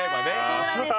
そうなんです。